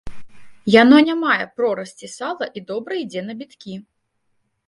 Яно не мае прорасці сала і добра ідзе на біткі.